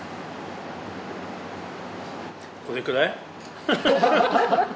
これくらい？